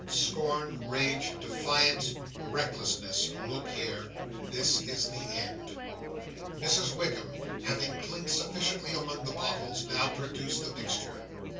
Scorn, rage, defiance, recklessness, look here! This is the end. Mrs Wickam having clinked sufficiently among the bottles, now produced the mixture.